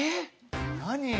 何？